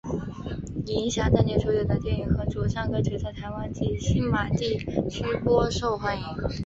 银霞当年主演的电影和主唱歌曲在台湾及星马地区颇受欢迎。